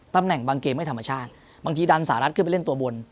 ตำแหน่งบางเกมไม่ธรรมชาติบางทีดันสหรัฐขึ้นไปเล่นตัวบน